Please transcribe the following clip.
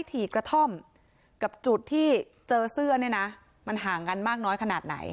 ถี่กระท่อมกับจุดที่เจอเสื้อเนี่ยนะมันห่างกันมากน้อยขนาดไหน